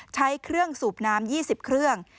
ใช้เครื่องสูบน้ำ๒๐เครื่อง